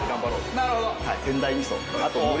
なるほど！